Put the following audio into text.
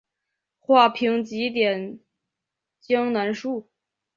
画屏几点江南树。